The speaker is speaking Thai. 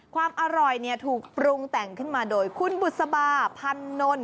ความอร่อยถูกปรุงแต่งขึ้นมาโดยคุณบุษบาพันนล